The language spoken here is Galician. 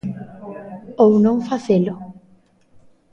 Ou non facelo.